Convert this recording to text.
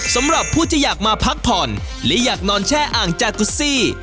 สำหรับผู้ที่อยากมาพักผ่อนและอยากนอนแช่อ่างจากุซี่